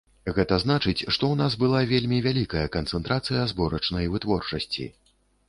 Гэта значыць, што ў нас была вельмі вялікая канцэнтрацыя зборачнай вытворчасці.